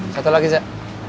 satu lagi zek